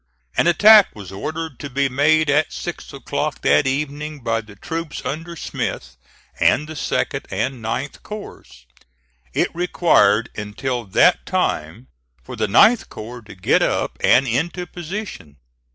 An attack was ordered to be made at six o'clock that evening by the troops under Smith and the 2d and 9th corps. It required until that time for the 9th corps to get up and into position.